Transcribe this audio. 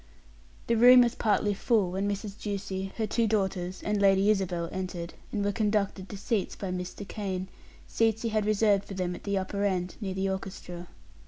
The room was partly full when Mrs. Ducie, her two daughters, and Lady Isabel entered, and were conducted to seats by Mr. Kane seats he had reserved for them at the upper end, near the orchestra.